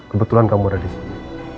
kebetulan kamu udah disini